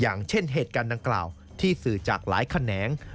อย่างเช่นเหตุการณ์ดังกล่าวที่สื่อจากหลายแขนง